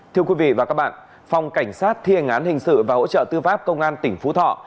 thưa quý vị và các bạn phòng cảnh sát thiên án hình sự và hỗ trợ tư pháp công an tỉnh phú thọ